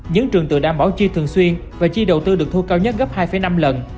những trường tự đảm bảo chi thường xuyên và chi đầu tư được thu cao nhất gấp hai năm lần